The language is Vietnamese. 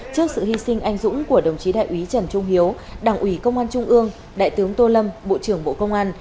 trước sự hy sinh anh dũng của đồng chí đại úy trần trung hiếu đảng ủy công an trung ương đại tướng tô lâm bộ trưởng bộ công an